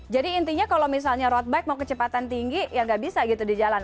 jadi intinya kalau misalnya road bike mau kecepatan tinggi ya nggak bisa gitu di jalan